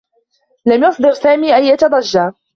لم يصدر سامي أيّة ضجّة.